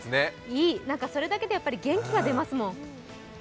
いい、それだけで元気が出ますもん。